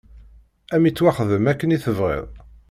Ad m-ittwaxdem akken i tebɣiḍ!